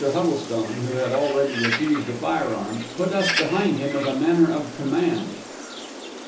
Huddlestone, who had already refused a firearm, put us behind him with a manner of command.